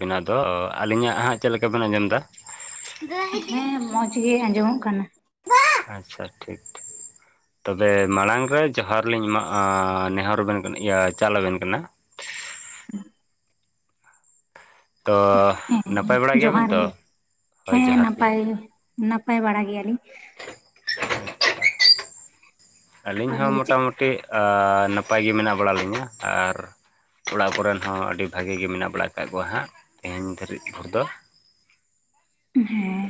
ᱟᱫᱚ ᱟᱹᱞᱤᱧᱟᱜ ᱦᱟᱸᱜ ᱪᱮᱫ ᱞᱮᱠᱟ ᱵᱮᱱ ᱟᱸᱡᱚᱢ ᱮᱫᱟ ᱦᱮᱸ ᱢᱚᱸᱡᱽᱜᱮ ᱟᱸᱡᱚᱢᱚᱜ ᱠᱟᱱᱟ ᱟᱪᱪᱷᱟ ᱴᱷᱤᱠ ᱴᱷᱤᱠ ᱛᱚᱵᱮ ᱢᱟᱲᱟᱝ ᱨᱮ ᱡᱚᱦᱟᱨᱞᱤᱧᱟᱜ ᱱᱮᱦᱚᱨ ᱟᱵᱮᱱ ᱤᱭᱟᱹ ᱪᱟᱞ ᱟᱵᱮᱱ ᱠᱟᱱᱟ ᱛᱚ ᱦᱮᱸ ᱱᱟᱯᱟᱭ ᱵᱟᱲᱟ ᱜᱮᱭᱟᱵᱮᱱ ᱡᱚᱦᱟᱨ ᱛᱚ ᱜᱮ ᱦᱳᱭ ᱦᱮᱸ ᱡᱚᱦᱟᱨ ᱜᱮ ᱱᱟᱯᱟᱭ ᱱᱟᱯᱟᱭ ᱵᱟᱲᱟ ᱜᱮᱭᱟᱞᱤᱧ [inaudible] ᱟᱹᱞᱤᱧ ᱟᱨ ᱦᱚᱸ ᱪᱮᱫ ᱢᱚᱴᱟᱢᱩᱴᱤ ᱱᱟᱯᱟᱭ ᱜᱮ ᱢᱮᱱᱟᱜ ᱵᱟᱲᱟ ᱞᱤᱧᱟ ᱟᱨ ᱚᱲᱟᱜ ᱠᱚᱨᱮᱱ ᱦᱚᱸ ᱟᱹᱰᱤ ᱵᱷᱟᱜᱮ ᱜᱮ ᱢᱮᱱᱟᱜ ᱵᱟᱲᱟ ᱟᱠᱟᱫ ᱠᱚᱣᱟ ᱦᱟᱸᱜ ᱛᱮᱦᱮᱧ ᱫᱷᱟᱹᱨᱤᱡ ᱛᱮ ᱫᱚ ᱦᱮᱸ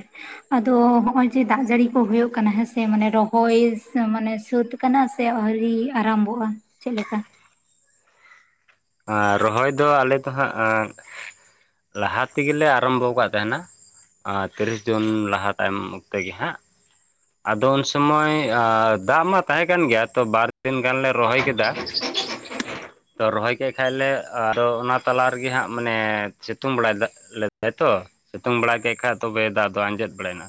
ᱟᱫᱚ ᱱᱚᱜ-ᱚᱭ ᱡᱮ ᱫᱟᱜ ᱡᱟᱹᱲᱤ ᱠᱚ ᱦᱩᱭᱩᱜ ᱠᱟᱱᱟ ᱦᱮᱸᱥᱮ ᱢᱟᱱᱮ ᱨᱚᱦᱚᱭ ᱢᱟᱱᱮ ᱥᱟᱹᱛ ᱠᱟᱱᱟ ᱥᱮ ᱟᱹᱣᱨᱤ ᱟᱨᱟᱢᱵᱷᱚᱜᱼᱟ ᱪᱮᱫ ᱞᱮᱠᱟ ᱟᱨ ᱨᱚᱦᱚᱭ ᱫᱚ ᱟᱞᱮ ᱫᱚ ᱦᱟᱸᱜ ᱞᱟᱦᱟ ᱛᱮᱜᱮᱞᱮ ᱟᱨᱟᱢᱵᱷᱚ ᱟᱠᱟᱫ ᱛᱟᱦᱮᱱᱟ ᱛᱤᱨᱤᱥ ᱡᱩᱱ ᱞᱟᱦᱟ ᱛᱟᱭᱚᱢ ᱠᱛᱮᱜᱮ ᱦᱟᱸᱜ ᱟᱫᱚ ᱩᱱ ᱥᱩᱢᱚᱭ ᱫᱟᱜ ᱢᱟ ᱛᱟᱦᱮᱸ ᱠᱟᱱ ᱜᱮᱭᱟ ᱛᱚ ᱵᱟᱨᱫᱤᱱ ᱜᱟᱱᱞᱮ ᱨᱚᱦᱚᱭ ᱠᱮᱫᱟ [inaudible] ᱛᱚ ᱨᱚᱦᱚᱭ ᱠᱮᱫ ᱠᱷᱟᱡ ᱞᱮ ᱟᱨᱚ ᱚᱱᱟ ᱛᱟᱞᱟ ᱨᱮᱜᱮ ᱦᱟᱸᱜ ᱢᱟᱱᱮ ᱥᱤᱛᱩᱝ ᱵᱟᱲᱟᱭᱫᱟ ᱞᱮᱫᱟᱭᱛᱚ ᱥᱤᱛᱩᱝ ᱵᱟᱲᱟ ᱠᱮᱫ ᱠᱷᱟᱡ ᱛᱚᱵᱮ ᱫᱟᱜ ᱫᱚ ᱟᱸᱡᱮᱫ ᱵᱟᱲᱟᱭᱮᱱᱟ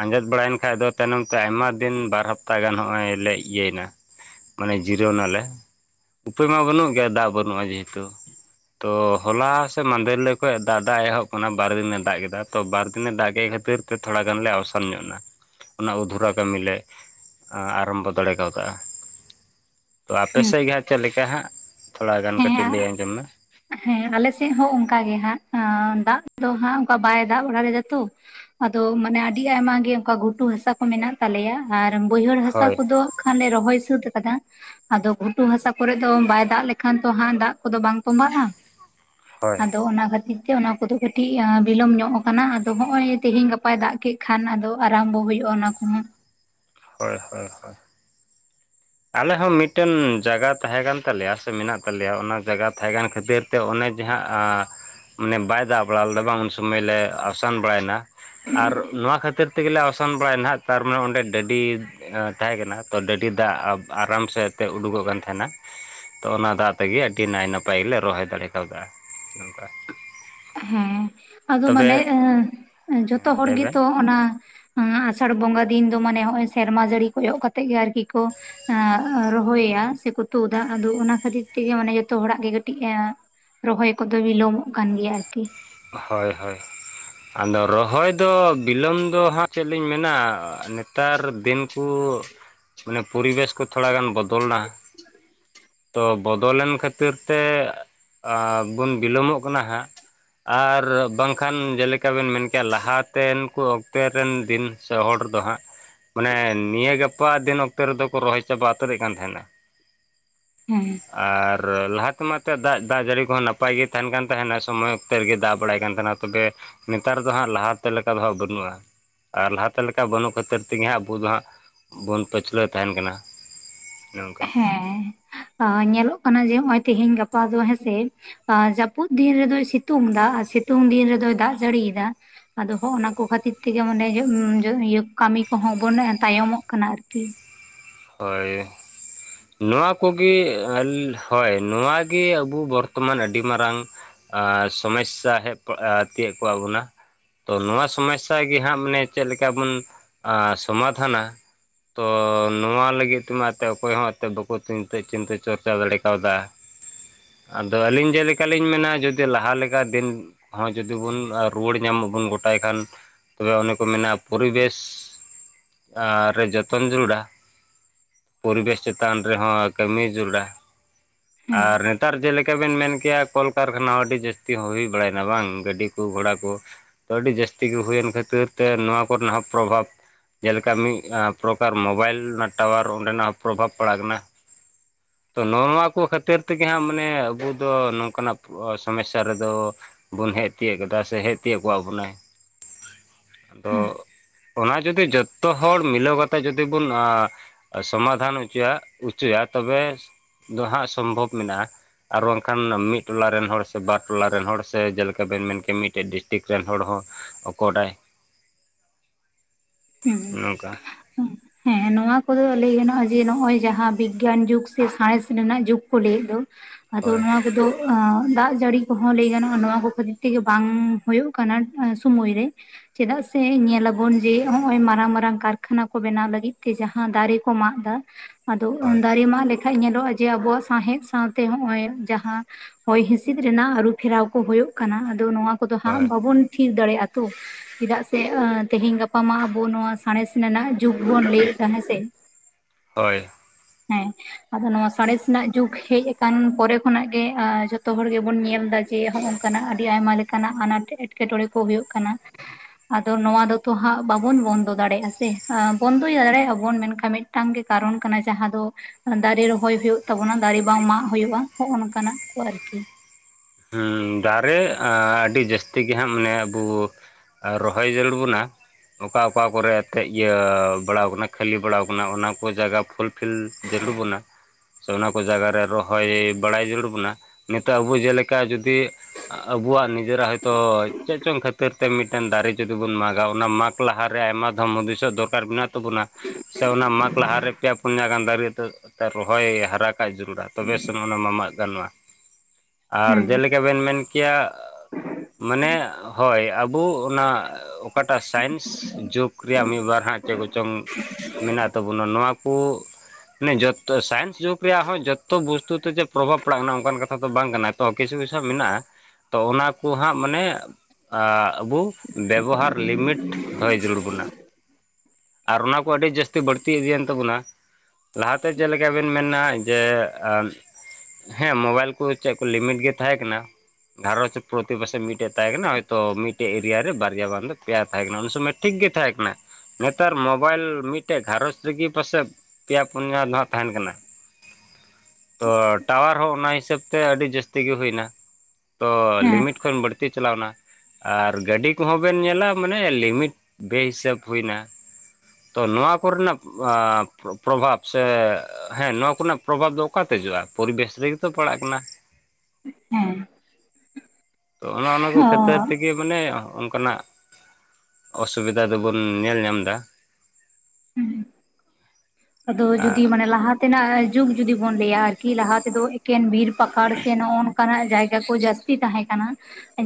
ᱟᱸᱡᱮᱫ ᱵᱟᱲᱟᱭᱮᱱ ᱠᱷᱟ ᱫᱚ ᱛᱟᱭᱱᱚᱢ ᱛᱮ ᱟᱭᱢᱟ ᱫᱤᱱ ᱵᱟᱨ ᱦᱟᱯᱛᱟ ᱜᱟᱱ ᱱᱚᱜᱼᱚᱭ ᱞᱮ ᱤᱭᱟᱹᱭᱱᱟ ᱢᱟᱱᱮ ᱡᱤᱨᱟᱹᱣᱱᱟᱞᱮ ᱩᱯᱟᱹᱭ ᱢᱟ ᱵᱟᱹᱱᱩᱜ ᱜᱮᱭᱟ ᱫᱟᱜ ᱵᱟᱹᱱᱩᱜᱼᱟ ᱡᱮᱦᱮᱛᱩ ᱛᱚ ᱦᱚᱞᱟ ᱥᱮ ᱢᱟᱫᱮᱨᱦᱤᱞᱳᱜ ᱠᱷᱟᱡ ᱫᱟᱜ ᱫᱟᱜ ᱮᱦᱚᱵ ᱟᱠᱟᱱᱟ ᱵᱟᱨ ᱫᱤᱱᱮ ᱫᱟᱜ ᱠᱮᱫᱟ ᱛᱚ ᱵᱟᱨ ᱫᱤᱱᱮ ᱫᱟᱜ ᱠᱮᱫ ᱠᱷᱟᱹᱛᱤᱨ ᱛᱮ ᱛᱷᱚᱲᱟ ᱜᱟᱱ ᱞᱮ ᱟᱣᱥᱟᱱ ᱧᱚᱜ ᱮᱱᱟ ᱚᱱᱟ ᱚᱫᱷᱩᱨᱟ ᱠᱟᱹᱢᱤ ᱞᱮ ᱟᱨᱟᱢᱵᱚ ᱫᱟᱲᱮ ᱠᱟᱣᱫᱟᱜᱼᱟ ᱛᱚ ᱟᱯᱮ ᱦᱮᱸ ᱥᱮᱫ ᱜᱮᱦᱟᱸᱜ ᱪᱮᱫ ᱞᱮᱠᱟ ᱦᱟᱸᱜ ᱛᱷᱚᱲᱟ ᱜᱟᱱ ᱠᱟᱹᱴᱤᱡ ᱦᱮᱸ ᱞᱟᱹᱭ ᱟᱸᱡᱚᱢ ᱢᱮ ᱦᱮᱸ ᱟᱞᱮᱥᱮᱫ ᱦᱚᱸ ᱚᱱᱠᱟ ᱜᱮ ᱦᱟᱸᱜ ᱫᱟᱜ ᱫᱚ ᱦᱟᱸᱜ ᱚᱱᱠᱟ ᱵᱟᱭ ᱫᱟᱜ ᱵᱟᱲᱟ ᱞᱮᱫᱟᱛᱚ ᱟᱫᱚ ᱢᱟᱱᱮ ᱟᱹᱰᱤ ᱟᱭᱢᱟᱜᱮ ᱚᱱᱠᱟ ᱜᱷᱩᱴᱩ ᱦᱟᱥᱟ ᱠᱚ ᱢᱮᱱᱟᱜ ᱛᱟᱞᱮᱭᱟ ᱟᱨ ᱵᱟᱹᱭᱦᱟᱹᱲ ᱦᱟᱥᱟ ᱦᱳᱭ ᱠᱚᱫᱚ ᱠᱷᱟᱱ ᱞᱮ ᱨᱚᱦᱚᱭ ᱥᱟᱹᱛ ᱟᱠᱟᱫᱟ ᱟᱫᱚ ᱜᱷᱩᱴᱩ ᱦᱟᱥᱟ ᱠᱚᱨᱮᱫ ᱫᱚ ᱵᱟᱭ ᱫᱟᱜ ᱞᱮᱠᱷᱟᱱ ᱛᱚ ᱦᱟᱸᱜ ᱫᱟᱜ ᱠᱚᱫᱚ ᱵᱟᱝ ᱛᱚᱸᱵᱟᱜᱼᱟ ᱦᱳᱭ ᱟᱫᱚ ᱚᱱᱟ ᱠᱷᱟᱹᱛᱤᱨ ᱛᱮ ᱚᱱᱟ ᱠᱚᱫᱚ ᱠᱟᱹᱴᱤᱡ ᱵᱤᱞᱚᱢ ᱧᱚᱜ ᱟᱠᱟᱱᱟ ᱟᱫᱚ ᱦᱚᱸᱜ ᱚᱭ ᱛᱮᱦᱮᱧ ᱜᱟᱯᱟᱭ ᱫᱟᱜ ᱠᱮᱫ ᱠᱷᱟᱱ ᱟᱫᱚ ᱟᱨᱟᱢᱵᱚ ᱦᱩᱭᱩᱜᱼᱟ ᱚᱱᱟ ᱠᱚᱦᱚᱸ ᱦᱳᱭ ᱦᱳᱭ ᱦᱳᱭ ᱟᱞᱮ ᱦᱚᱸ ᱢᱤᱫᱴᱮᱱ ᱡᱟᱭᱜᱟ ᱛᱟᱦᱮᱸ ᱠᱟᱱ ᱛᱟᱞᱮᱭᱟ ᱥᱮ ᱢᱮᱱᱟᱜ ᱛᱟᱞᱮᱭᱟ ᱚᱱᱟ ᱡᱟᱭᱜᱟ ᱛᱟᱦᱮᱸ ᱠᱟᱱ ᱠᱷᱟᱹᱛᱤᱨ ᱛᱮ ᱚᱱᱮ ᱡᱮᱦᱟᱸᱜ ᱢᱟᱱᱮ ᱵᱟᱭ ᱫᱟᱜ ᱵᱟᱲᱟ ᱞᱮᱫᱟ ᱵᱟᱝ ᱩᱱ ᱥᱚᱢᱚᱭ ᱞᱮ ᱟᱥᱟᱱ ᱵᱟᱲᱟᱭᱮᱱᱟ ᱟᱨ ᱱᱚᱣᱟ ᱠᱷᱟᱹᱛᱤᱨ ᱛᱮᱜᱮᱞᱮ ᱚᱣᱥᱟᱱ ᱵᱟᱲᱟᱭᱱᱟ ᱱᱟᱦᱟᱜ ᱛᱟᱨᱢᱟᱱᱮ ᱚᱸᱰᱮ ᱰᱟᱹᱰᱤ ᱛᱟᱦᱮᱸ ᱠᱟᱱᱟ ᱛᱚ ᱰᱟᱹᱰᱤ ᱫᱟᱜ ᱟᱨᱟᱢ ᱥᱮᱫ ᱮᱱᱛᱮ ᱩᱰᱩᱠᱚᱜ ᱠᱟᱱ ᱛᱟᱦᱮᱱᱟ ᱛᱚ ᱚᱱᱟ ᱫᱟᱜ ᱛᱮᱜᱮ ᱟᱹᱰᱤ ᱱᱟᱭ ᱱᱟᱯᱟᱭ ᱜᱮᱞᱮ ᱨᱚᱦᱚᱭ ᱫᱟᱲᱮ ᱠᱟᱣᱫᱟ ᱱᱚᱝᱠᱟ ᱦᱮᱸ ᱟᱫᱚ ᱛᱚᱵᱮ ᱢᱟᱱᱮ ᱡᱚᱛᱚ ᱦᱮᱸ ᱦᱚᱲ ᱞᱟᱹᱭ ᱵᱮᱱ ᱜᱮᱛᱚ ᱚᱱᱟ ᱟᱥᱟᱲ ᱵᱚᱸᱜᱟ ᱫᱤᱱ ᱫᱚ ᱢᱟᱱᱮ ᱱᱚᱜ ᱚᱭ ᱥᱮᱨᱢᱟ ᱡᱟᱹᱲᱤ ᱠᱚᱭᱚᱜ ᱠᱟᱛᱮᱜ ᱜᱮ ᱟᱨᱠᱤ ᱠᱚ ᱟᱸᱜ ᱨᱚᱦᱚᱭᱟ ᱥᱮᱠᱚ ᱛᱩᱫᱟ ᱟᱫᱚ ᱚᱱᱟ ᱠᱷᱟᱹᱛᱤᱨ ᱛᱮᱜᱮ ᱢᱟᱱᱮ ᱡᱚᱛᱚ ᱦᱚᱲᱟᱜ ᱜᱮ ᱠᱟᱹᱴᱤᱡ ᱮ ᱨᱚᱦᱚᱭ ᱠᱚᱫᱚ ᱵᱤᱞᱚᱢᱚᱜ ᱠᱟᱱ ᱜᱮᱭᱟ ᱟᱨᱠᱤ ᱦᱳᱭ ᱦᱳᱭ ᱟᱫᱚ ᱨᱚᱦᱚᱭ ᱫᱚ ᱵᱤᱞᱚᱢ ᱫᱚ ᱦᱟᱸᱜ ᱪᱮᱫ ᱞᱤᱧ ᱢᱮᱱᱟ ᱱᱮᱛᱟᱨ ᱫᱤᱱ, ᱠᱩ ᱢᱟᱱᱮ ᱯᱚᱨᱤᱵᱮᱥ ᱠᱚ ᱛᱷᱚᱲᱟ ᱜᱟᱱ ᱵᱚᱫᱚᱞ ᱱᱟ, ᱛᱚ ᱵᱚᱫᱚᱞᱮᱱ ᱠᱷᱟᱹᱛᱤᱨ ᱛᱮ ᱮᱸᱻ ᱵᱚᱱ ᱵᱤᱞᱚᱢᱚᱜ ᱠᱟᱱᱟ ᱦᱟᱸᱜ, ᱟᱨ ᱵᱟᱝᱠᱷᱟᱱ ᱡᱮᱞᱮᱠᱟ ᱵᱮᱱ ᱢᱮᱱ ᱠᱮᱜ-ᱟ ᱞᱟᱦᱟᱛᱮᱱ ᱠᱚ ᱚᱠᱛᱮ ᱨᱮᱱ ᱫᱤᱱ ᱥᱮ ᱦᱚᱲ ᱫᱚ ᱦᱟᱸᱜ ᱢᱟᱱᱮ ᱱᱤᱭᱟᱹ ᱜᱟᱯᱟ ᱫᱤᱱ ᱚᱠᱛᱮ ᱨᱮᱫᱚ ᱠᱚ ᱨᱚᱦᱚᱭ ᱪᱟᱵᱟ ᱩᱛᱟᱹᱨᱮᱜ ᱠᱟᱱ ᱛᱟᱸᱦᱮᱱᱟ, ᱦᱮᱸ ᱟᱨ ᱞᱟᱦᱟᱛᱮ ᱢᱟ ᱛᱮ ᱫᱟᱜ ᱫᱟᱜ ᱡᱟᱹᱲᱤ ᱠᱚᱦᱚᱸ ᱱᱟᱯᱟᱭ ᱜᱮ ᱛᱟᱦᱮᱱ ᱠᱟᱱ ᱛᱟᱦᱮᱱᱟ ᱥᱚᱢᱚᱭ ᱚᱠᱛ ᱛᱮ ᱨᱮᱜᱮ ᱫᱟᱜ ᱵᱟᱲᱟᱭ ᱠᱟᱱ ᱛᱟᱦᱮᱱᱟ ᱛᱚᱵᱮ ᱱᱮᱛᱟᱨ ᱫᱚ ᱦᱟᱸᱜ ᱞᱟᱦᱟᱛᱮ ᱞᱮᱠᱟ ᱫᱚ ᱦᱟᱸᱜ ᱵᱟᱹᱱᱩᱜᱼᱟ, ᱟᱨ ᱞᱟᱦᱟᱛᱮ ᱞᱮᱠᱟ ᱵᱟᱹᱱᱩᱜ ᱠᱷᱟᱹᱛᱤᱨ ᱛᱮᱜᱮ ᱦᱟᱸᱜ ᱟᱵᱩ ᱫᱚ ᱦᱟᱸᱜ ᱵᱚᱱ ᱯᱟᱹᱪᱷᱞᱟᱹ ᱛᱟᱸᱦᱮᱱ ᱠᱟᱱᱟ, ᱚᱱᱮ ᱚᱝᱠᱟ, ᱦᱮᱸ ᱦᱚᱸ ᱧᱮᱞᱚᱜ ᱠᱟᱱᱟ ᱡᱮ ᱱᱚᱜ-ᱚᱭ ᱛᱮᱦᱮᱧ ᱜᱟᱯᱟ ᱫᱚ ᱦᱮᱸᱥᱮ ᱟᱨ ᱡᱟᱹᱯᱩᱫ ᱫᱤᱱ ᱨᱮᱫᱚᱭ ᱥᱤᱛᱩᱝᱫᱟ ᱟᱨ ᱥᱤᱛᱩᱝ ᱫᱤᱱ ᱨᱮᱫᱚᱭ ᱫᱟᱜ ᱡᱟᱹᱲᱤᱭᱮᱫᱟ ᱟᱫᱚ ᱦᱚᱸᱜᱼᱱᱟ ᱠᱚ ᱠᱷᱟᱹᱛᱤᱨ ᱛᱮᱜᱮ ᱢᱟᱱᱮ ᱤᱭᱟᱹ ᱠᱟᱹᱢᱤ ᱠᱚᱦᱚᱸ ᱵᱚᱱ ᱛᱟᱭᱚ ᱢᱚᱜ ᱠᱟᱱᱟ ᱟᱨᱠᱤ, ᱦᱳᱭ ᱱᱚᱣᱟ ᱠᱚᱜᱮ ᱟᱹᱞ, ᱦᱳᱭ ᱱᱚᱣᱟᱜᱮ ᱟᱵᱩ ᱵᱚᱨᱛᱚᱢᱟᱱ ᱟᱹᱰᱤ ᱢᱟᱨᱟᱝ ᱟᱨ ᱥᱚᱢᱚᱥᱥᱟ ᱦᱮᱡ ᱮᱻ ᱛᱤᱭᱳᱜ ᱠᱚᱣᱟᱜ ᱵᱚᱱᱟ, ᱛᱚ ᱱᱚᱣᱟ ᱥᱚᱢᱚᱥᱥᱟ ᱜᱮ ᱦᱟᱸᱜ ᱢᱟᱱᱮ ᱪᱮᱫ ᱞᱮᱠᱟ ᱵᱚᱱ ᱮᱸᱻ ᱥᱚᱢᱟᱫᱷᱟᱱᱟ? ᱛᱚ ᱱᱚᱣᱟ ᱞᱟᱹᱜᱤᱫ ᱛᱮᱢᱟ ᱮᱛᱮ ᱚᱠᱚᱭ ᱦᱚᱸ ᱮᱛᱮ ᱵᱟᱠᱚ ᱪᱤᱱᱛᱟᱹ ᱪᱤᱱᱛᱟᱹ ᱪᱚᱨᱪᱟ ᱫᱟᱲᱮ ᱠᱟᱣᱫᱟ, ᱟᱫᱚ ᱟᱹᱞᱤᱧ ᱡᱮᱞᱮᱠᱟ ᱞᱤᱧ ᱢᱮᱱᱟ ᱡᱩᱫᱤ ᱞᱟᱦᱟ ᱞᱮᱠᱟ ᱫᱤᱱ ᱦᱚᱸ ᱡᱩᱫᱤ ᱵᱚᱱ ᱨᱩᱣᱟᱹᱲ ᱧᱟᱢᱚᱜ ᱵᱚᱱ ᱜᱚᱴᱟᱭ ᱠᱷᱟᱱ ᱛᱚᱵᱮ ᱚᱱᱮᱠᱚ ᱢᱮᱱᱟ ᱯᱚᱨᱤᱵᱮᱥ ᱟᱨ ᱨᱮ ᱡᱚᱛᱚᱱ ᱡᱟᱹᱨᱩᱲᱟ, ᱯᱚᱨᱤᱵᱮᱥ ᱪᱮᱛᱟᱱ ᱨᱮᱦᱚᱸ ᱠᱟᱹᱢᱤ ᱡᱟᱹᱨᱩᱲᱟ ᱦᱮᱸ ᱟᱨ ᱱᱮᱛᱟᱨ ᱡᱮᱞᱮᱠ ᱤᱱᱠᱟᱹ ᱵᱮᱱ ᱢᱮᱱ ᱠᱮᱭᱟ ᱠᱚ ᱞᱠᱟᱨᱠᱷᱟᱱᱟ ᱦᱚᱸ ᱟᱹᱰᱤ ᱡᱟᱹᱥᱛᱤ ᱦᱚᱸ ᱦᱩᱭ ᱵᱟᱲᱟᱭᱮᱱᱟ ᱵᱟᱝ ᱜᱟᱹᱰᱤ ᱠᱚ ᱜᱷᱚᱲᱟ ᱠᱚ, ᱛᱚ ᱟᱹᱰᱤ ᱡᱟᱹᱥᱛᱤ ᱜᱮ ᱦᱩᱭᱮᱱ ᱠᱷᱟᱹᱛᱤᱨ ᱛᱮ ᱱᱚᱣᱟ ᱠᱚ ᱨᱮᱱᱟᱜ ᱦᱚᱸ ᱯᱨᱚᱵᱷᱟᱵᱽ, ᱡᱮᱞᱮᱠᱟ ᱢᱤᱫ ᱯᱨᱚᱠᱟᱨ ᱢᱳᱵᱟᱭᱤᱞ ᱨᱮᱱᱟᱜ ᱴᱟᱣᱟᱨ ᱚᱸᱰᱮᱱᱟᱜ ᱯᱨᱚᱵᱷᱟᱵᱽ ᱯᱟᱲᱟᱜ ᱠᱟᱱᱟ, [inaudible] [inaudible] ᱛᱚ ᱱᱚᱜᱼᱚ ᱱᱚᱣᱟ ᱠᱚ ᱠᱷᱟᱹᱛᱤᱨ ᱛᱮᱜᱮ ᱦᱟᱸᱜ ᱢᱟᱱᱮ ᱟᱵᱚ ᱫᱚ ᱱᱚᱝᱠᱟᱱᱟᱜ ᱥᱚᱢᱚᱥᱥᱟ ᱨᱮᱫᱚ ᱵᱚᱱ ᱦᱮᱡ ᱛᱤᱭᱳᱜ ᱠᱮᱫᱟ ᱥᱮ ᱦᱮᱡ ᱛᱤᱭᱳᱜ ᱠᱚᱣᱟᱜ ᱵᱚᱱᱟᱭ, [inaudible] [inaudible] ᱟᱫᱚ ᱦᱮᱸ ᱚᱱᱟ ᱡᱩᱫᱤ ᱡᱚᱛᱚ ᱦᱚᱲ ᱢᱤᱞᱟᱹᱣ ᱠᱟᱛᱮᱫ ᱡᱩᱫᱤ ᱵᱚᱱ ᱟ ᱟᱨ ᱥᱚᱢᱟᱫᱷᱟᱱ ᱦᱚᱪᱚᱭᱟ ᱚᱪᱚᱭᱟ ᱛᱚᱵᱮ ᱫᱚ ᱦᱟᱸᱜ ᱥᱚᱢᱵᱷᱚᱵᱽ ᱢᱮᱱᱟᱜᱼᱟ, ᱟᱨ ᱵᱟᱝᱠᱷᱟᱱ ᱢᱤᱫ ᱴᱚᱞᱟ ᱨᱮᱱ ᱦᱚᱲ ᱥᱮ ᱵᱟᱨ ᱴᱚᱞᱟ ᱨᱮᱱ ᱦᱚᱲ ᱥᱮ ᱡᱮᱞᱮᱠᱟ ᱵᱤᱱ ᱢᱮᱱ ᱠᱮᱫ ᱢᱤᱫᱴᱮᱱ ᱰᱤᱥᱴᱤᱠ ᱨᱮᱱ ᱦᱚᱲ ᱦᱚᱸ ᱚᱠᱚᱴᱟᱭ, [inaudible] ᱱᱚᱝᱠᱟ, ᱦᱩᱸ, ᱦᱮᱸ ᱱᱚᱣᱟ ᱠᱚᱫᱚ ᱞᱟᱹᱭ ᱜᱟᱱᱚᱜᱼᱟ ᱡᱮ ᱱᱚᱜᱼᱚᱭ ᱡᱟᱦᱟᱸ ᱵᱤᱜᱽᱜᱟᱱ ᱡᱩᱜᱽ ᱥᱮ ᱥᱟᱸᱬᱮᱥ ᱨᱮᱱᱟᱜ ᱡᱩᱜᱽ ᱠᱚ ᱞᱟᱹᱭᱮᱫ ᱫᱚ ᱟᱫᱚ ᱦᱳᱭ ᱱᱚᱣᱟ ᱠᱚᱫᱚ ᱚᱸ ᱫᱟᱜ ᱡᱟᱹᱲᱤ ᱠᱚᱦᱚᱸ ᱞᱟᱹᱭ ᱜᱟᱱᱚᱜᱼᱟ ᱱᱚᱣᱟ ᱠᱚ ᱠᱷᱟᱹᱛᱤᱨ ᱛᱮᱜᱮ ᱵᱟᱝ ᱦᱳᱭᱳᱜ ᱠᱟᱱᱟ ᱥᱩᱢᱚᱭ ᱨᱮ, ᱪᱮᱫᱟᱜ ᱥᱮ ᱧᱮᱞ ᱟᱵᱚᱱ ᱡᱮ ᱦᱚᱸᱜ-ᱚᱭ ᱢᱟᱨᱟᱝ ᱢᱟᱨᱟᱝ ᱠᱟᱨᱠᱷᱟᱱᱟ ᱠᱚ ᱵᱮᱱᱟᱣ ᱞᱟᱹᱜᱤᱫ ᱛᱮ ᱡᱟᱦᱟᱸ ᱫᱟᱨᱮ ᱠᱚ ᱢᱟᱜ-ᱫᱟ, ᱟᱫᱚ ᱦᱳᱭ ᱫᱟᱨᱮ ᱢᱟᱜ ᱞᱮᱠᱷᱟᱡ ᱧᱮᱞᱚᱜᱼᱟ ᱡᱮ ᱟᱵᱚᱣᱟᱜ ᱥᱟᱶᱦᱮᱫ ᱥᱟᱶᱛᱮ ᱦᱚᱸᱜ-ᱚᱭ ᱡᱟᱦᱟᱸ ᱦᱚᱭ ᱦᱤᱸᱥᱤᱫ ᱨᱮᱱᱟᱜ ᱟᱹᱨᱩᱯᱷᱮᱨᱟᱣ ᱠᱚ ᱦᱩᱭᱩᱜ ᱠᱟᱱᱟ ᱟᱫᱚ ᱱᱚᱣᱟ ᱠᱚᱫᱚ ᱦᱳᱭ ᱦᱟᱸᱜ ᱵᱟᱵᱚᱱ ᱛᱷᱤᱨ ᱫᱟᱲᱮᱭᱟᱜᱼᱟ ᱛᱚ ᱪᱮᱫᱟᱜ ᱥᱮ ᱛᱮᱦᱮᱧ ᱜᱟᱯᱟ ᱢᱟ ᱟᱵᱚ ᱱᱚᱣᱟ ᱥᱟᱬᱮᱸᱥ ᱨᱮᱱᱟᱜ ᱡᱩᱜᱽ ᱵᱚᱱ ᱞᱟᱹᱭ ᱫᱟ ᱦᱮᱸᱥᱮ ᱦᱳᱭ ᱦᱮᱸ, ᱟᱫᱚ ᱱᱚᱣᱟ ᱥᱟᱬᱸᱮᱥ ᱨᱮᱱᱟᱜ ᱡᱩᱜᱽ ᱦᱮᱡ ᱟᱠᱟᱱ ᱯᱚᱨᱮ ᱠᱷᱚᱱᱟᱜ ᱜᱮ ᱟ ᱡᱷᱚᱛᱚ ᱦᱚᱲ ᱜᱮᱵᱚᱱ ᱧᱮᱞ ᱮᱫᱟ ᱡᱮ ᱦᱚᱸᱜ-ᱚᱭ, ᱠᱟᱱᱟ ᱟᱹᱰᱤ ᱟᱭᱢᱟ ᱞᱮᱠᱟᱱᱟᱜ ᱟᱱᱟᱴ ᱮᱴᱠᱮᱴᱚᱬᱮ ᱠᱚ ᱦᱩᱭᱩᱜ ᱠᱟᱱᱟ ᱟᱫᱚ ᱱᱚᱣᱟ ᱫᱚ ᱛᱚ ᱦᱟᱸᱜ ᱵᱟᱵᱚᱱ ᱵᱚᱱᱫᱚ ᱫᱟᱲᱮᱭᱟᱜᱼᱟ ᱥᱮ ᱦᱮᱸ ᱵᱚᱱᱫᱚᱭ ᱫᱟᱲᱮᱭᱟᱜ ᱟᱵᱚᱱ ᱢᱮᱱᱠᱷᱟᱱ ᱢᱤᱫᱴᱟᱝ ᱜᱮ ᱠᱟᱨᱚᱱ ᱠᱟᱱᱟ ᱡᱟᱦᱟᱸ ᱫᱚ ᱫᱟᱨᱮ ᱨᱚᱦᱚᱭ ᱦᱩᱭᱩᱜ ᱛᱟᱵᱚᱱᱟ ᱫᱟᱨᱮ ᱵᱟᱝ ᱢᱟᱜ ᱦᱩᱭᱩᱜᱼᱟ ᱦᱚᱸᱜ-ᱚᱱᱚᱝᱠᱟ ᱱᱟᱜ ᱠᱚ ᱟᱨᱠᱤ, ᱦᱟᱻᱸ ᱫᱟᱨᱮ ᱟ. ᱟᱹᱰᱤ ᱡᱟᱹᱥᱛᱤ ᱜᱮ ᱦᱟᱸᱜ ᱢᱟᱱᱮ ᱟᱵᱚ, ᱟᱨ ᱨᱚᱦᱚᱭ ᱡᱟᱹᱨᱩᱲ ᱵᱚᱱᱟ, ᱚᱠᱟ ᱚᱠᱟ ᱠᱚᱨᱮ ᱠᱟᱹᱭᱜ ᱤᱭᱟᱹ ᱵᱟᱲᱟᱣ ᱟᱠᱟᱱᱟ ᱠᱷᱟᱹᱞᱤ ᱵᱟᱲᱟᱣ ᱟᱠᱟᱱᱟ ᱚᱱᱟᱠᱚ ᱡᱟᱭᱜᱟ ᱯᱷᱩᱞ ᱯᱷᱤᱞ ᱪᱟᱹᱞᱩ ᱵᱚᱱᱟ ᱥᱮ ᱚᱱᱟᱠᱚ ᱡᱟᱜᱟᱨᱮ ᱨᱚᱦᱚᱭ ᱵᱟᱲᱟᱭ ᱡᱟᱹᱨᱩᱲ ᱵᱚᱱᱟ ᱱᱤᱛᱚᱜ ᱟᱵᱚ ᱡᱮᱞᱮᱠᱟ ᱡᱩᱫᱤ ᱡᱩᱫᱤ ᱟᱵᱚᱣᱟᱜ ᱱᱤᱡᱮᱨᱟᱜ ᱦᱳᱭᱛᱳ ᱪᱮᱫ ᱪᱚᱝ ᱠᱷᱟᱹᱛᱤᱨ ᱛᱮ ᱢᱤᱫᱴᱮᱱ ᱫᱟᱨᱮ ᱡᱩᱫᱤ ᱵᱚᱱ ᱢᱟᱜᱟ ᱚᱱᱟ ᱢᱟᱜᱽ ᱞᱟᱦᱟᱨᱮ ᱟᱭᱢᱟ ᱫᱷᱚᱢ ᱦᱩᱫᱤᱥᱚᱜ ᱫᱚᱨᱠᱟᱨ ᱢᱮᱱᱟᱜ ᱛᱟᱵᱚᱱᱟ ᱥᱮ ᱚᱱᱟ ᱢᱟᱜᱽ ᱞᱟᱦᱟᱨᱮ ᱯᱮᱭᱟ ᱯᱩᱱᱭᱟ ᱜᱟᱱ ᱫᱟᱨᱮᱛᱮᱫ ᱨᱚᱦᱚᱭ ᱦᱟᱨᱟ ᱠᱟᱜ ᱡᱟᱹᱨᱩᱲᱟ ᱛᱚᱵᱮ ᱥᱮ ᱱᱚ ᱚᱱᱟ ᱢᱟᱢᱟᱜ ᱜᱟᱱᱚᱜ-ᱟ ᱟᱨ ᱦᱮᱸ ᱡᱮᱞᱮᱠᱟ ᱵᱮᱱ ᱢᱮᱱ ᱠᱮᱭᱟ ᱢᱟᱱᱮ ᱦᱳᱭ ᱟᱵᱚ ᱚᱱᱟ ᱚᱠᱟᱴᱟᱜ ᱥᱟᱭᱮᱱᱥ ᱡᱩᱜᱽ ᱨᱮᱭᱟᱜ ᱢᱤᱫᱵᱟᱨ ᱦᱟᱸᱜ ᱪᱮᱫ ᱠᱚᱪᱚᱝ ᱢᱮᱱᱟᱜ ᱛᱟᱵᱚᱱᱟ ᱱᱚᱣᱟ ᱠᱚ ᱢᱟᱱᱮ ᱡᱚᱛᱚ ᱥᱟᱭᱮᱱᱥ ᱡᱩᱜᱽ ᱨᱮᱭᱟᱜ ᱦᱚᱸ ᱡᱚᱛᱚ ᱵᱚᱥᱛᱩ ᱛᱮ ᱪᱮᱫ ᱯᱨᱚᱵᱷᱟᱵᱽ ᱯᱟᱲᱟᱜ ᱠᱟᱱᱟ ᱚᱱᱠᱟᱱ ᱠᱟᱛᱷᱟ ᱫᱚ ᱵᱟᱝ ᱠᱟᱱᱟ ᱛᱚ ᱠᱤᱪᱷᱩ ᱠᱤᱪᱷᱩ ᱢᱮᱱᱟᱜ-ᱟ ᱛᱚ ᱚᱱᱟ ᱠᱚ ᱦᱟᱸᱜ ᱢᱟᱱᱮ ᱟᱵᱚ ᱵᱮᱵᱚᱦᱟᱨ ᱞᱤᱢᱤᱴ ᱫᱚᱦᱚᱭ ᱡᱟᱹᱨᱩᱲ ᱵᱚᱱᱟ ᱟᱨ ᱚᱱᱟ ᱠᱚ ᱟᱹᱰᱤ ᱡᱟᱹᱥᱛᱤ ᱵᱟᱹᱲᱛᱤ ᱤᱫᱤᱭᱮᱱ ᱛᱟᱵᱚᱱᱟ ᱞᱟᱦᱟᱛᱮ ᱪᱮᱞᱮᱠᱟ ᱵᱮᱱ ᱢᱮᱱᱟ ᱡᱮ ᱦᱮᱸ ᱢᱳᱵᱟᱭᱤᱞ ᱠᱚ ᱪᱮᱫ ᱠᱚ ᱞᱤᱢᱤᱴ ᱜᱮ ᱛᱟᱦᱮᱸ ᱠᱟᱱᱟ ᱜᱷᱟᱨᱚᱸᱡᱽ ᱯᱨᱚᱛᱤᱟᱥᱮ ᱢᱤᱫᱴᱮᱡ ᱛᱟᱦᱮᱸ ᱠᱟᱱᱟ ᱦᱚᱭᱛᱳ ᱢᱤᱫᱴᱮᱡ ᱮᱨᱤᱭᱟ ᱨᱮ ᱵᱟᱨᱭᱟ ᱵᱟᱱ ᱫᱚ ᱯᱮᱭᱟ ᱛᱟᱦᱮᱸ ᱠᱟᱱᱟ ᱩᱱ ᱥᱚᱢᱚᱭ ᱴᱷᱤᱠ ᱜᱮ ᱛᱟᱦᱮᱸ ᱠᱟᱱᱟ ᱛᱟᱨ ᱢᱳᱵᱟᱭᱤᱞ ᱢᱤᱫᱴᱮᱡ ᱜᱷᱟᱨᱚᱸᱡᱽ ᱨᱮᱜᱮ ᱯᱟᱥᱮ ᱯᱮᱭᱟ ᱯᱩᱱᱭᱟ ᱫᱷ ᱛᱟᱦᱮᱱ ᱠᱟᱱᱟ ᱛᱚ ᱴᱟᱣᱟᱨ ᱦᱚᱸ ᱚᱱᱟ ᱦᱤᱥᱟᱹᱵ ᱛᱮ ᱟᱹᱰᱤ ᱡᱟᱹᱥᱛᱤ ᱛᱤ ᱜᱮ ᱦᱩᱭᱱᱟ ᱛᱚ ᱦᱮᱸ ᱞᱤᱢᱤᱴ ᱠᱷᱚᱱ ᱵᱟᱹᱲᱛᱤ ᱪᱟᱞᱟᱣᱱᱟ ᱟᱨ ᱜᱟᱹᱰᱤ ᱦᱵᱮᱱ ᱧᱮᱞᱟ ᱢᱟᱱᱮ ᱞᱤᱢᱤᱴ ᱵᱮ ᱦᱤᱥᱟᱹᱵ ᱦᱩᱭᱱᱟ ᱛᱚ ᱱᱚᱣᱟ ᱠᱚᱨᱮᱱᱟᱜ ᱯᱨᱚᱵᱷᱟᱵᱽ ᱥᱮ ᱦᱮᱸ ᱱᱚᱣᱟ ᱠᱚᱨᱮᱱᱟᱜ ᱯᱨᱚᱵᱷᱟᱵᱽ ᱫᱚ ᱚᱠᱟᱛᱮ ᱪᱟᱞᱟᱜ-ᱟ ᱯᱚᱨᱤᱵᱮᱥ ᱨᱮᱜᱮ ᱯᱟᱲᱟᱜ ᱠᱟᱱᱟ ᱦᱮᱸ ᱛᱚ ᱚᱱᱮ ᱚᱱᱟ ᱠᱚ ᱚ ᱠᱷᱟᱹᱛᱤᱨ ᱛᱮᱜᱮ ᱜᱮ ᱢᱟᱱᱮ ᱚᱱᱠᱟᱱᱟᱜ ᱚᱥᱩᱵᱤᱫᱟ ᱫᱚᱵᱚᱱ ᱧᱮᱞ ᱧᱟᱢ ᱮᱫᱟ ᱦᱮᱸ ᱟᱫᱚ ᱡᱩᱫᱤ ᱢᱟᱱᱮ ᱞᱟᱦᱟᱛᱮᱱᱟᱜ ᱡᱩᱜ ᱡᱩᱫᱤ ᱵᱚᱱ ᱞᱟᱹᱭᱟ ᱟᱨᱠᱤ ᱞᱟᱦᱟ ᱛᱮᱫᱚ ᱮᱠᱮᱱ ᱵᱤᱨ ᱯᱟᱠᱟᱲ ᱥᱮ ᱱᱚᱜ-ᱚ ᱱᱚᱝᱠᱟᱱᱟᱜ ᱡᱟᱭᱜᱟ ᱠᱚ ᱡᱟᱹᱥᱛᱤ ᱛᱟᱦᱮᱸ ᱠᱟᱱᱟ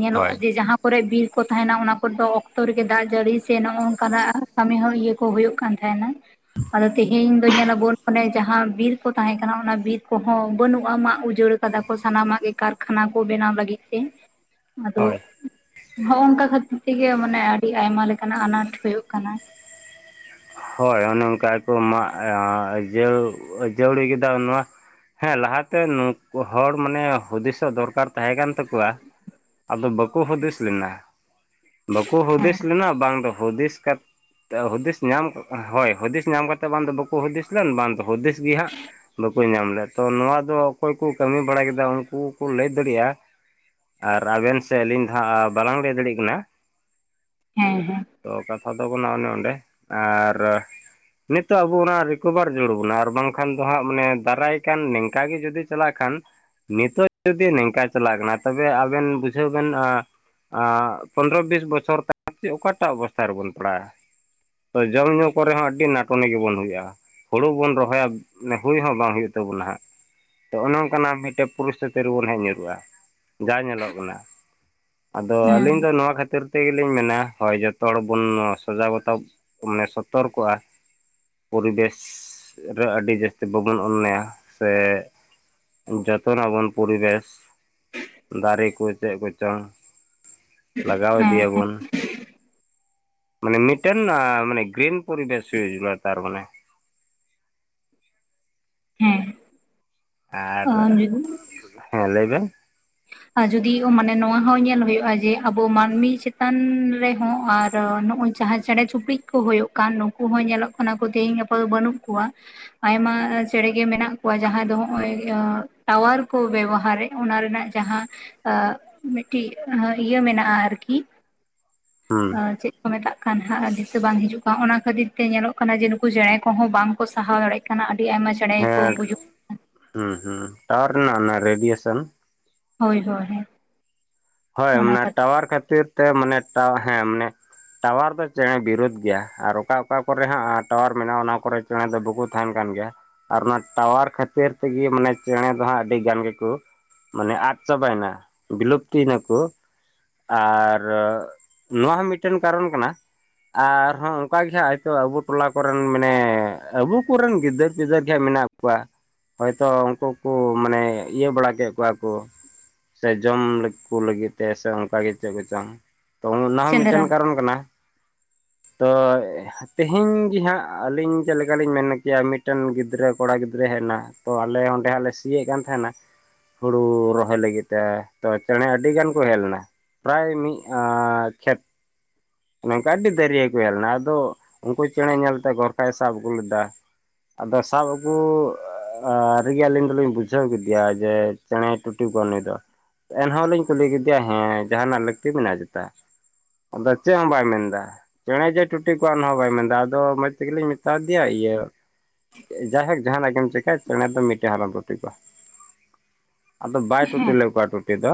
ᱧᱮᱞᱚᱜ-ᱟ ᱦᱳᱭ ᱡᱮ ᱡᱟᱦᱟᱸ ᱠᱚᱨᱮ ᱵᱤᱨ ᱠᱚ ᱛᱟᱦᱮᱱᱟ ᱚᱱᱟ ᱠᱚᱨ ᱫᱚ ᱚᱠᱛᱚ ᱨᱮᱜᱮ ᱫᱟᱜ ᱡᱟᱹᱲᱤ ᱥᱮ ᱱᱚᱜ ᱱᱚᱝᱠᱟᱱᱟᱜ ᱠᱟᱹᱢᱤ ᱦᱚᱸ ᱤᱭᱟᱹ ᱠᱚ ᱦᱩᱭᱩᱜ ᱠᱟᱱ ᱛᱟᱦᱮᱱᱟ ᱟᱨ ᱟᱫᱚ ᱛᱮᱦᱮᱧ ᱫᱚ ᱧᱮᱞᱟᱵᱚᱱ ᱚᱱᱮ ᱡᱟᱦᱟᱸ ᱵᱤᱨ ᱠᱚ ᱛᱟᱦᱮᱸ ᱠᱟᱱᱟ ᱚᱱᱟ ᱵᱤᱨ ᱠᱚᱦᱚᱸ ᱵᱟᱹᱱᱩᱜᱼᱟ ᱢᱟᱜ ᱩᱡᱟᱹᱲ ᱠᱟᱫᱟ ᱠᱚ ᱥᱟᱱᱟᱢᱟᱜ ᱜᱮ ᱠᱟᱨᱠᱷᱟᱱᱟ ᱠᱚ ᱵᱮᱱᱟᱣ ᱞᱟᱹᱜᱤᱫ ᱛᱮ ᱟᱫᱚ ᱦᱳᱭ ᱦᱚᱜ ᱚᱝᱠᱟ ᱠᱷᱟᱹᱛᱤᱨ ᱛᱮᱜᱮ ᱢᱟᱱᱮ ᱟᱹᱰᱤ ᱟᱭᱢᱟ ᱞᱮᱠᱟᱱᱟᱜ ᱟᱱᱟᱴ ᱦᱩᱭᱩᱜᱳᱜ ᱠᱟᱱᱟ ᱦᱳᱭ ᱚᱱᱮ ᱚᱱᱠᱟ ᱜᱮ ᱠᱚ ᱢᱟᱜᱡ ᱟᱹ ᱡᱟᱹᱲᱤ ᱠᱮᱫᱟ ᱱᱚᱣᱟ ᱦᱮᱸ ᱞᱟᱦᱟᱛᱮ ᱱᱩᱠᱩ ᱦᱚᱲ ᱢᱟᱱᱮ ᱦᱩᱫᱤᱥᱚᱜ ᱫᱚᱨᱠᱟᱨ ᱛᱟᱦᱮᱸ ᱠᱟᱱ ᱛᱟᱠᱚᱣᱟ ᱟᱫᱚ ᱵᱟᱠᱚ ᱦᱩᱫᱤᱥ ᱞᱮᱱᱟ ᱵᱟᱠᱚ ᱦᱩᱫᱤᱥ ᱞᱮᱱᱟ ᱵᱟᱝ ᱫᱚ ᱦᱩᱫᱤᱥ ᱠᱟᱛᱮ ᱦᱩᱫᱤᱥ ᱧᱟᱢ ᱦᱳᱭ ᱦᱩᱫᱤᱥ ᱧᱟᱢ ᱠᱟᱛᱮᱫ ᱵᱟᱝ ᱫᱚ ᱵᱟᱠᱚ ᱦᱩᱫᱤᱥ ᱞᱮᱱ ᱵᱟᱝᱫᱚ ᱦᱩᱫᱤᱥ ᱜᱮ ᱦᱟᱜ ᱵᱟᱠᱚ ᱧᱟᱢ ᱞᱮᱫᱟ ᱛᱚ ᱱᱚᱣᱟ ᱫᱚ ᱚᱠᱚᱭ ᱠᱚ ᱠᱟᱹᱢᱤ ᱵᱟᱲᱟ ᱠᱮᱫᱟ ᱩᱱᱠᱩ ᱠᱚ ᱞᱟᱹᱭ ᱫᱟᱲᱮᱭᱟᱜ-ᱟ ᱟᱨ ᱟᱵᱮᱱ ᱥᱮ ᱟᱹᱞᱤᱧ ᱫᱚ ᱦᱟᱸᱜ ᱵᱟᱞᱟᱝ ᱞᱟᱹᱭ ᱫᱟᱲᱮᱭᱟᱜ ᱠᱟᱱᱟ ᱦᱮᱸ ᱦᱮᱸ ᱛᱚ ᱠᱟᱛᱷᱟ ᱫᱚ ᱵᱚᱱᱟᱜ ᱚᱱᱮ ᱚᱸᱰᱮ ᱟᱨ ᱱᱤᱛᱚᱜ ᱟᱵᱚ ᱚᱱᱟ ᱨᱤᱠᱳᱵᱷᱟᱨ ᱡᱩᱲ ᱵᱚᱱᱟ ᱟᱨ ᱵᱟᱝᱠᱷᱟᱱ ᱫᱚ ᱦᱟᱸᱜ ᱢᱟᱱᱮ ᱫᱟᱨᱟᱭ ᱠᱟᱱ ᱱᱤᱝᱠᱟ ᱜᱮ ᱡᱩᱫᱤ ᱪᱟᱞᱟᱜ ᱠᱷᱟᱱ ᱱᱤᱛᱚᱜ ᱡᱩᱫᱤ ᱱᱤᱝᱠᱟ ᱪᱟᱞᱟᱜ ᱠᱟᱱᱟ ᱛᱚᱵᱮ ᱟᱵᱮᱱ ᱵᱩᱡᱷᱟᱹᱣ ᱵᱮᱱ ᱯᱚᱱᱨᱚ ᱵᱤᱥ ᱵᱚᱪᱷᱚᱨ ᱛᱟᱲ ᱪᱮᱫ ᱚᱠᱟᱴᱟᱜ ᱚᱵᱚᱥᱛᱟ ᱨᱮᱵᱚᱱ ᱯᱟᱲᱟᱜ-ᱟ ᱛᱚ ᱡᱚᱢ ᱧᱩ ᱠᱚᱨᱮ ᱦᱚᱸ ᱟᱹᱰᱤ ᱱᱟᱴᱚᱱᱤ ᱜᱮᱵᱚᱱ ᱦᱩᱭᱩᱜ-ᱟ ᱦᱩᱲᱩ ᱵᱚᱱ ᱨᱚᱦᱚᱭᱟ ᱢᱟᱱᱮ ᱦᱩᱭ ᱦᱚᱸ ᱵᱟᱝ ᱦᱩᱭᱩᱜ ᱛᱟᱵᱚᱱᱟ ᱦᱟᱸᱜ ᱛᱚ ᱚᱱᱮ ᱝᱠᱟᱱᱟᱜ ᱢᱤᱫᱴᱮᱡ ᱯᱩᱨᱩᱥᱛᱷᱤᱛᱤ ᱨᱮᱵᱚᱱ ᱦᱮᱡ ᱧᱩᱨᱩᱜ-ᱟ ᱡᱟ ᱧᱮᱞᱚᱜ ᱠᱟᱱᱟ ᱟᱫᱚ ᱦᱮᱸ ᱟᱹᱞᱤᱧ ᱫᱚ ᱱᱚᱣᱟ ᱠᱷᱟᱹᱛᱤᱨ ᱛᱮ ᱜᱮᱞᱤᱧ ᱢᱮᱱᱟ ᱦᱳᱭ ᱡᱚᱛᱚ ᱦᱚᱲ ᱵᱚᱱ ᱥᱟᱡᱟᱣ ᱵᱟᱛᱟᱣ ᱢᱟᱱᱮ ᱥᱚᱛᱚᱨ ᱠᱚᱜᱼᱟ ᱯᱚᱨᱤᱵᱮᱥ ᱨᱮ ᱟᱹᱰᱤ ᱡᱟᱹᱥᱛᱤ ᱵᱟᱵᱚᱱ ᱚᱱᱱᱟᱭᱟ ᱥᱮ ᱡᱚᱛᱚᱱᱟᱵᱚᱱ ᱯᱚᱨᱤᱵᱮᱥ ᱫᱟᱨᱮ ᱠᱚ ᱪᱮᱫ ᱠᱚᱪᱚᱝ ᱞᱟᱜᱟᱣ ᱦᱮᱸ ᱤᱫᱤᱭᱟᱵᱚᱱ ᱢᱟᱱᱮ ᱢᱤᱫᱴᱮᱱ ᱟ ᱢᱟᱱᱮ ᱜᱨᱤᱱ ᱯᱳᱨᱤᱵᱮᱥ ᱦᱩᱭᱩᱜ [inaudible] ᱛᱟᱨ ᱢᱟᱱᱮ ᱦᱮᱸ ᱟᱨ ᱦᱮᱸ ᱞᱟᱹᱭ ᱵᱮᱱ ᱟᱨ ᱡᱩᱫᱤ ᱢᱟᱱᱮ ᱱᱚᱣᱟ ᱦᱚᱸ ᱧᱮᱞ ᱦᱩᱭᱩᱜᱼᱟ ᱡᱮ ᱟᱵᱚ ᱢᱟᱹᱱᱢᱤ ᱪᱮᱛᱟᱱ ᱨᱮᱦᱚᱸ ᱟᱨ ᱱᱚᱜᱼᱚᱭ ᱡᱟᱦᱟᱸᱭ ᱪᱮᱬᱮ ᱪᱩᱯᱲᱤᱡ ᱠᱚ ᱦᱳᱭᱳᱜ ᱠᱟᱱ ᱱᱩᱠᱩ ᱦᱚᱸ ᱧᱮᱞᱚᱜ ᱠᱟᱱᱟ ᱠᱚ ᱛᱮᱦᱤᱧ ᱜᱟᱯᱟ ᱫᱚ ᱵᱟᱹᱱᱩᱜ ᱠᱚᱣᱟ ᱟᱭᱢᱟ ᱪᱮᱬᱮᱜᱮ ᱢᱮᱱᱟᱜ ᱠᱚᱣᱟ ᱡᱟᱦᱟᱸ ᱫᱚ ᱱᱚᱜ ᱚᱭ ᱴᱟᱣᱟᱨ ᱠᱚ ᱵᱮᱵᱚᱦᱟᱨᱮᱫ ᱚᱱᱟ ᱨᱮᱱᱟᱜ ᱡᱟᱦᱟᱸ ᱟ ᱢᱤᱫᱴᱤᱡ ᱤᱭᱟᱹ ᱢᱮᱱᱟᱜᱼᱟ ᱟᱨᱠᱤ ᱦᱩᱸ ᱟ ᱪᱮᱫ ᱢᱮᱛᱟᱜ ᱠᱟᱱ ᱦᱟᱸᱜ ᱟᱨ ᱫᱤᱥᱟᱹ ᱵᱟᱝ ᱦᱤᱡᱩᱜ ᱠᱟᱱ ᱚᱱᱟ ᱠᱷᱟᱹᱛᱤᱨ ᱛᱮ ᱧᱮᱞᱚᱜ ᱠᱟᱱᱟ ᱡᱮ ᱱᱩᱠᱩ ᱪᱮᱬᱮ ᱠᱚᱦᱚᱸ ᱵᱟᱝᱠᱚ ᱥᱟᱦᱟᱣ ᱫᱟᱲᱮᱭᱟᱜ ᱠᱟᱱᱟ ᱱᱟᱜ ᱟᱹᱰᱤ ᱟᱭᱢᱟ ᱪᱮᱬᱮ ᱜᱮ ᱠᱚ ᱦᱮᱸ ᱜᱩᱡᱩᱜ ᱦᱩᱸ ᱦᱩᱸ ᱴᱟᱣᱟᱨ ᱦᱮᱱᱟᱜ ᱚᱱᱟ ᱨᱮᱰᱤᱭᱮᱥᱚᱱ ᱦᱳᱭ ᱦᱳᱭ ᱦᱳᱭ ᱚᱱᱟ ᱢᱟᱱᱮ ᱠᱷᱟᱹᱛᱤᱨ ᱴᱟᱣᱟᱨ ᱠᱷᱟᱹᱛᱤᱨ ᱛᱮ ᱢᱟᱱᱮ ᱦᱮᱸ ᱢᱟᱱᱮ ᱴᱟᱣᱟᱨ ᱫᱚ ᱪᱮᱬᱮ ᱵᱤᱨᱩᱫᱽ ᱜᱮᱭᱟ ᱟᱨ ᱚᱠᱟ ᱚᱠᱟ ᱠᱚᱨᱮ ᱦᱟᱸᱜ ᱴᱟᱣᱟᱨ ᱢᱮᱱᱟᱜᱼᱟ ᱚᱱᱟ ᱠᱚᱨᱮ ᱪᱮᱬᱮ ᱫᱚ ᱵᱟᱠᱚ ᱛᱟᱦᱮᱱ ᱠᱟᱱ ᱜᱮᱭᱟ ᱟᱨ ᱚᱱᱟ ᱴᱟᱣᱟᱨ ᱠᱷᱟᱹᱛᱤᱨ ᱛᱮᱜᱮ ᱢᱟᱱᱮ ᱪᱮᱬᱮ ᱫᱚ ᱦᱟᱸᱜ ᱟᱹᱰᱤ ᱜᱟᱱ ᱜᱮᱠᱚ ᱢᱟᱱᱮ ᱟᱫ ᱪᱟᱵᱟᱭᱮᱱᱟ ᱵᱤᱞᱩᱯᱛᱤᱭᱮᱱᱟᱠᱚ ᱟᱨ ᱱᱚᱣᱟ ᱦᱚᱸ ᱢᱤᱫᱴᱮᱱ ᱠᱟᱨᱚᱱ ᱠᱟᱱᱟ ᱟᱨᱦᱚᱸ ᱚᱱᱠᱟ ᱜᱮ ᱦᱟᱸᱜ ᱦᱚᱭᱛᱳ ᱟᱵᱚ ᱴᱚᱞᱟ ᱠᱚᱨᱮᱱ ᱢᱟᱱᱮ ᱟᱵᱚ ᱠᱚᱨᱮᱱ ᱜᱤᱫᱟᱹᱨ ᱯᱤᱫᱟᱹᱨ ᱜᱮ ᱦᱟᱸᱜ ᱢᱮᱱᱟᱜ ᱦᱚᱭᱛᱳ ᱩᱱᱠᱩ ᱠᱚ ᱢᱟᱱᱮ ᱤᱭᱟᱹ ᱵᱟᱲᱟ ᱠᱮᱫ ᱠᱚᱣᱟ ᱠᱚ ᱥᱮ ᱡᱚᱢ ᱞᱟᱹᱜᱤᱫ ᱛᱮ ᱥᱮ ᱚᱱᱠᱟ ᱜᱮ ᱪᱮᱫ ᱠᱚ ᱪᱚᱝ ᱛᱚ ᱚᱱᱟ ᱦᱚᱸ ᱢᱤᱫᱴᱮᱱ ᱥᱮᱸᱫᱽᱨᱟ ᱠᱟᱨᱚᱱ ᱠᱟᱱᱟ ᱛᱚ ᱛᱮᱦᱮᱧ ᱜᱤ ᱦᱟᱸᱜ ᱟᱹᱞᱤᱧ ᱪᱮᱫ ᱞᱮᱠᱟᱞᱤᱧ ᱢᱮᱱ ᱠᱮᱭᱟ ᱢᱤᱫᱴᱮᱱ ᱜᱤᱫᱽᱨᱟᱹ ᱠᱚᱲᱟ ᱜᱤᱫᱽᱨᱟᱹ ᱦᱮᱡ ᱮᱱᱟ ᱛᱚ ᱟᱞᱮ ᱚᱸᱰᱮ ᱦᱟᱸᱜ ᱞᱮ ᱥᱤᱭᱮᱫ ᱠᱟᱱ ᱛᱟᱦᱮᱱᱟ ᱦᱳᱲᱩ ᱨᱚᱦᱚᱭ ᱞᱟᱹᱜᱤᱫ ᱛᱮ ᱛᱚ ᱪᱮᱬᱮ ᱟᱹᱰᱤ ᱜᱟᱱ ᱠᱚ ᱦᱮᱡ ᱞᱮᱱᱟ ᱯᱨᱟᱭ ᱢᱤᱫ ᱠᱷᱮᱛ [unintelligible] ᱱᱚᱝᱠᱟ ᱟᱹᱰᱤ ᱫᱟᱹᱨᱭ ᱠᱚ ᱦᱮᱞ ᱞᱮᱱᱟ ᱟᱫᱚ ᱩᱱᱠᱩ ᱪᱮᱬᱮ ᱧᱮᱞᱛᱮ ᱜᱚᱨᱠᱟᱭ ᱥᱟᱵ ᱟᱹᱜᱩ ᱞᱮᱫᱟ ᱟᱫᱚ ᱥᱟᱵ ᱟᱹᱜᱩ [inaudible] ᱜᱮ ᱟᱹᱞᱤᱧ ᱫᱚᱞᱤᱧ ᱵᱩᱡᱷᱟᱹᱣ ᱠᱮᱫᱮᱭᱟ ᱡᱮ ᱪᱮᱬᱮᱭ ᱴᱩᱴᱤ ᱠᱚᱣᱟ ᱱᱩᱭ ᱫᱚ ᱮᱱᱦᱚᱸ ᱞᱤᱧ ᱠᱩᱞᱤ ᱠᱮᱫᱮᱭᱟ ᱦᱮᱸ ᱡᱟᱦᱟᱱᱟᱜ ᱞᱟᱹᱠᱛᱤ ᱢᱮᱱᱟᱜᱼᱟ ᱪᱮᱛᱟ ᱟᱫᱚ ᱪᱮᱫ ᱦᱚᱸ ᱵᱟᱭ ᱢᱮᱱᱫᱟ ᱪᱮᱬᱮ ᱡᱮ ᱴᱩᱴᱤ ᱠᱚᱣᱟ ᱚᱱᱟᱦᱚᱸ ᱵᱟᱭ ᱢᱮᱱᱫᱟ ᱟᱫᱚ ᱢᱚᱡᱽ ᱛᱮᱜᱮᱞᱤᱧ ᱢᱮᱛᱟ ᱫᱮᱭᱟ ᱤᱭᱟᱹ ᱡᱟᱭ ᱦᱳᱠ ᱡᱟᱦᱟᱱᱟᱜ ᱜᱮᱢ ᱪᱤᱠᱟᱹᱭ ᱪᱮᱬᱮ ᱫᱚ ᱢᱤᱫᱴᱮᱱ ᱦᱟᱨᱚᱢ ᱨᱩᱴᱤ ᱠᱚᱣᱟ ᱟᱫᱚ ᱵᱟᱭ ᱴᱩᱴᱤ ᱦᱮᱸ ᱞᱮᱫ ᱠᱚᱣᱟ ᱴᱩᱴᱤ ᱫᱚ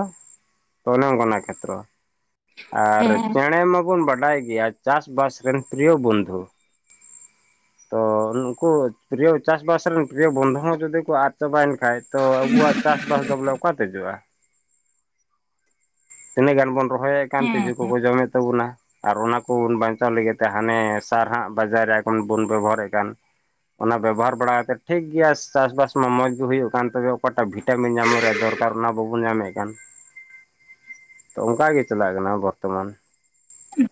ᱛᱚ ᱚᱱᱮ ᱚᱱᱠᱟᱜᱱᱟ ᱠᱷᱮᱛᱨᱚ ᱟᱨ ᱦᱮᱸ ᱪᱮᱬᱮ ᱢᱟᱵᱚᱱ ᱵᱟᱰᱟᱭ ᱜᱮᱭᱟ ᱪᱟᱥᱵᱟᱥ ᱨᱮᱱ ᱯᱤᱨᱤᱭᱚ ᱵᱚᱱᱫᱷᱩ ᱛᱚ ᱱᱩᱠᱩ ᱯᱨᱤᱭᱚ ᱪᱟᱥ ᱵᱟᱥ ᱨᱮᱱ ᱯᱤᱨᱤᱭᱚ ᱵᱚᱱᱫᱷᱩ ᱦᱚᱸ ᱡᱩᱫᱤ ᱠᱚ ᱟᱫ ᱪᱟᱵᱟᱭᱮᱱ ᱠᱷᱟᱡ ᱛᱚ ᱟᱵᱚᱣᱟᱜ ᱪᱟᱥ ᱵᱟᱥ ᱫᱚ ᱵᱚᱞᱮ ᱚᱠᱟᱛᱮ ᱦᱤᱡᱩᱜᱼᱟ ᱛᱤᱱᱟᱹᱜ ᱜᱟᱱ ᱵᱚᱱ ᱨᱚᱦᱚᱭᱮᱫ ᱠᱟᱱ ᱛᱤᱡᱩ ᱦᱮᱸ ᱠᱚᱠᱚ ᱡᱚᱢᱮᱫ ᱛᱟᱵᱚᱱᱟ ᱟᱨ ᱚᱱᱟ ᱠᱚ ᱵᱚᱱ ᱵᱟᱧᱪᱟᱣ ᱞᱟᱹᱜᱤᱫ ᱛᱮ ᱦᱟᱱᱮ ᱥᱟᱨᱦᱟᱜ ᱵᱟᱡᱟᱨ ᱨᱮ ᱮᱠᱷᱚᱱ ᱵᱚᱱ ᱵᱮᱵᱚᱦᱟᱨᱮᱫ ᱠᱟᱱ ᱚᱱᱟ ᱵᱮᱵᱚᱦᱟᱨ ᱵᱟᱲᱟ ᱠᱟᱛᱮᱫ ᱴᱷᱤᱠ ᱜᱮᱭᱟ ᱪᱟᱥ ᱵᱟᱥ ᱢᱟ ᱢᱚᱸᱡᱽ ᱜᱮ ᱦᱩᱭᱩᱜ ᱠᱟᱱ ᱛᱚᱵᱮ ᱚᱠᱟᱴᱟᱜ ᱵᱷᱤᱴᱟᱢᱤᱱ ᱧᱟᱢᱚᱜ ᱨᱮᱭᱟᱜ ᱫᱚᱨ ᱠᱟᱨ ᱚᱱᱟ ᱵᱟᱵᱚᱱ ᱧᱟᱢᱮᱫ ᱠᱟᱱ [inaudible] ᱛᱚ ᱚᱱᱠᱟ ᱜᱮ ᱪᱟᱞᱟᱜ ᱠᱟᱱᱟ ᱵᱚᱨᱛᱚᱢᱟᱱ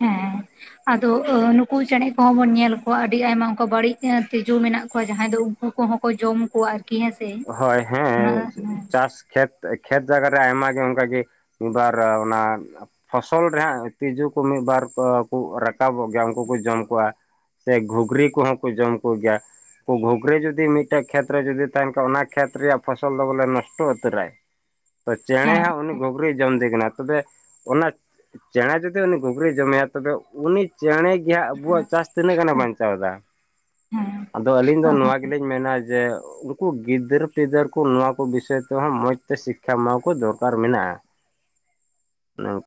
ᱦᱮᱸ ᱟᱫᱚ ᱱᱩᱠᱩ ᱪᱮᱬᱮ ᱠᱚᱦᱚᱸ ᱵᱚᱱ ᱧᱮᱞ ᱠᱚᱣᱟ ᱟᱹᱰᱤ ᱟᱭᱢᱟ ᱚᱱᱠᱟ ᱵᱹᱲᱤᱡ ᱛᱤᱡᱩ ᱢᱮᱱᱟᱜ ᱠᱚᱣᱟ ᱡᱟᱦᱟᱸᱭ ᱫᱚ [inaudible] ᱠᱚᱦᱚᱸ ᱠᱚ ᱡᱚᱢ ᱠᱚᱣᱟ ᱟᱨᱠᱤ ᱦᱮ ᱦᱳᱭ ᱦᱮᱸ ᱪᱟᱥ ᱠᱷᱮᱛ ᱠᱷᱮᱛ ᱡᱟᱭᱜᱟ ᱨᱮ ᱟᱭᱢᱟ ᱜᱮ ᱚᱱᱠᱟᱜᱮ ᱢᱤᱫ ᱵᱟᱨ ᱚᱱᱟ ᱯᱷᱚᱥᱚᱞ ᱨᱮᱦᱟᱸᱜ ᱛᱤᱡᱩ ᱠᱚ ᱢᱤᱜ ᱵᱟᱨ ᱠᱚ ᱨᱟᱠᱟᱵᱚᱜ ᱜᱮᱭᱟ ᱩᱝᱠᱩ ᱠᱚ ᱡᱚᱢ ᱠᱚᱣᱟ᱾ ᱥᱮ ᱜᱷᱩᱜᱽᱨᱤ ᱠᱚᱦᱚᱸ ᱠᱚ ᱡᱚᱢ ᱠᱚ ᱜᱮᱭᱟ ᱠᱩ ᱜᱷᱩᱜᱽᱨᱤ ᱡᱩᱫᱤ ᱢᱤᱜᱴᱮᱜ ᱠᱷᱮᱛᱨᱮ ᱡᱩᱫᱤ ᱛᱟᱦᱮᱱ ᱛᱚ ᱚᱱᱟ ᱠᱷᱮᱛ ᱨᱮᱭᱟᱜ ᱯᱷᱚᱥᱚᱞ ᱫᱚ ᱵᱚᱞᱮ ᱱᱚᱥᱴᱚ ᱩᱛᱟᱹᱨᱟᱭ᱾ ᱛᱚ ᱪᱮᱬᱮ ᱦᱮᱸ ᱦᱟᱸᱜ ᱩᱱᱤ ᱜᱷᱩᱜᱨᱤᱭ ᱡᱚᱢᱫᱮ ᱠᱟᱱᱟ ᱛᱚᱵᱮ ᱚᱱᱟ ᱪᱮᱬᱮ ᱡᱩᱫᱤ ᱩᱱᱤ ᱜᱷᱩᱜᱽᱨᱤᱭ ᱡᱚᱢᱮᱭᱟ ᱛᱚᱵᱮ ᱩᱱᱤ ᱪᱮᱬᱮ ᱜᱮᱦᱟᱸᱜ ᱟᱵᱚᱣᱟᱜ ᱪᱟᱥ ᱛᱤᱱᱟᱹᱜ ᱜᱟᱱᱮ ᱵᱟᱧᱪᱟᱣ ᱫᱟ ᱦᱮᱸ ᱟᱫᱚ ᱟᱹᱞᱤᱧ ᱫᱚ ᱱᱚᱣᱟ ᱜᱮᱞᱤᱧ ᱢᱮᱱᱟ ᱡᱮ ᱩᱝ ᱠᱩ ᱜᱤᱫᱟᱹᱨ ᱯᱤᱫᱟᱹᱨ ᱠᱚ ᱱᱚᱣᱟ ᱠᱚ ᱵᱤᱥᱚᱭ ᱛᱮᱦᱚᱸ ᱢᱚᱡᱽ ᱛᱮ ᱥᱤᱠᱠᱷᱟ ᱮᱢᱟᱣᱠᱚ ᱫᱚᱨᱠᱟᱨ ᱢᱮᱱᱟᱜᱼᱟ᱾ [unintelligible]